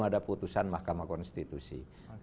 ada putusan mahkamah konstitusi